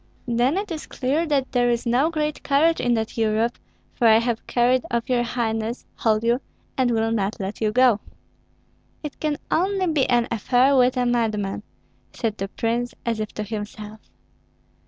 "Then it is clear that there is no great courage in that Europe, for I have carried off your highness, hold you, and will not let you go." "It can only be an affair with a madman," said the prince, as if to himself.